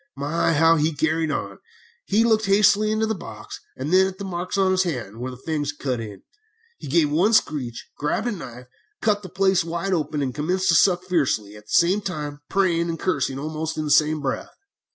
"My, how he carried on! He looked hastily into the box, and then at the marks on his hand, where the fangs had cut in. He gave one screech, grabbed a knife, cut the place wide open, and commenced to suck it fiercely, at the same time praying and cursing almost in the same breath.